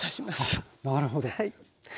なるほど。